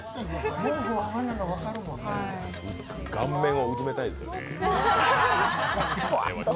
顔面を埋めたいですよね。